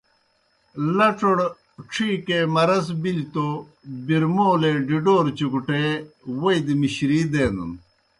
لڇوڑ ڇِھیکے مرض بِلیْ توْ برمولے ڈِڈَوروْ چُکٹےووئی دہ مِشرِی دینَن۔